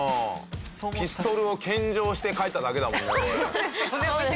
ピストルを献上して帰っただけだもんねこれ。